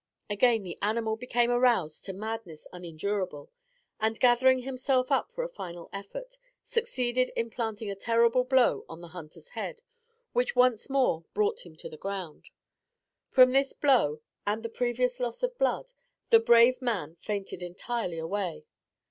Again the animal became aroused to madness unendurable, and, gathering himself up for a final effort, succeeded in planting a terrible blow on the hunter's head, which once more brought him to the ground. From this blow and the previous loss of blood, the brave man fainted entirely away.